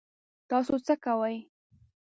تاسو څه کوئ؟